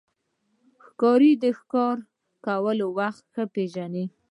ښکاري د ښکار کولو وخت ښه پېژني.